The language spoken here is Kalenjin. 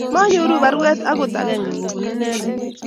Manyoru baruet agot agenge kobun inendet